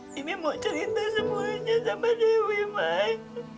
bibi mau cerita semuanya sama dewi mai